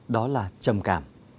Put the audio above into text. đó là trầm cảm